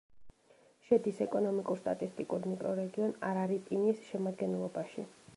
შედის ეკონომიკურ-სტატისტიკურ მიკრორეგიონ არარიპინის შემადგენლობაში.